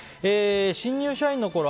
新入社員のころ